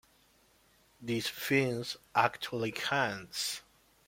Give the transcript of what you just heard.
These fins act like hands.